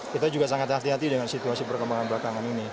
kita juga sangat hati hati dengan situasi perkembangan belakangan ini